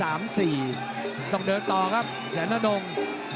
ตอนนี้รับเต็มครับ๑๒๓๔ต้องเดินต่อครับแสน่าโน่ง